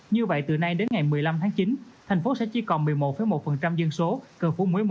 như vậy từ nay đến ngày một mươi năm tháng chín thành phố sẽ chỉ còn một mươi một một dân số cần phủ một mươi một